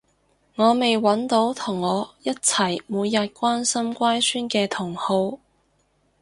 我未搵到同我一齊每日關心乖孫嘅同好